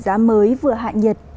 tỉ giá mới vừa hạ nhiệt